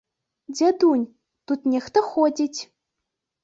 Дзядунь, тут нехта ходзіць.